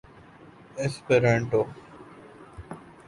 Esperanto